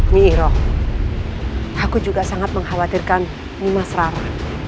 nyi iroh aku juga sangat mengkhawatirkan nimas rara